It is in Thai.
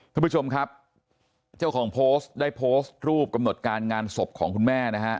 ท่านผู้ชมครับเจ้าของโพสต์ได้โพสต์รูปกำหนดการงานศพของคุณแม่นะฮะ